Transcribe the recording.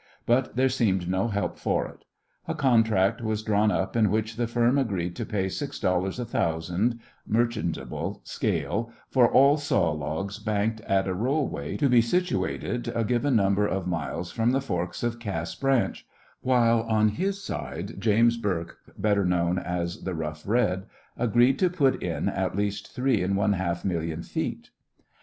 But there seemed no help for it. A contract was drawn up in which the firm agreed to pay six dollars a thousand, merchantable scale, for all saw logs banked at a rollway to be situated a given number of miles from the forks of Cass Branch, while on his side James Bourke, better known as the Rough Red, agreed to put in at least three and one half million feet.